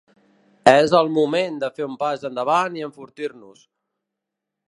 És el moment de fer un pas endavant i enfortir-nos.